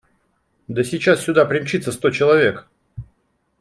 – Да сейчас сюда примчится сто человек!